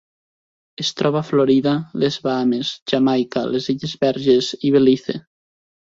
Es troba a Florida, les Bahames, Jamaica, les Illes Verges i Belize.